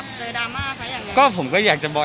เพราะโพสเรื่องราวดีแต่กลับเจอดราม่า